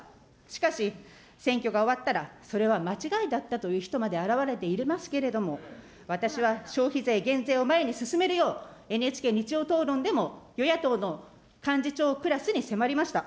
しかし、選挙が終わったらそれは間違いだったと言う人まで現れていますけれども、私は消費税減税を前に進めるよう、ＮＨＫ日曜討論でも、与野党の幹事長クラスに迫りました。